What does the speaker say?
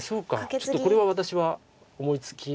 ちょっとこれは私は思いつきませんでした。